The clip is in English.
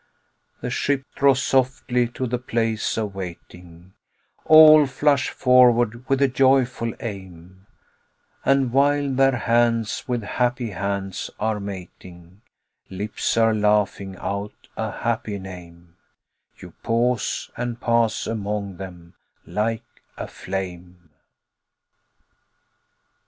The ship draws softly to the place of waiting, All flush forward with a joyful aim, And while their hands with happy hands are mating, Lips are laughing out a happy name You pause, and pass among them like a flame.